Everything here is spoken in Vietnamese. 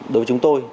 đối với chúng tôi